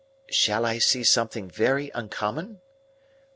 "Shall I see something very uncommon?"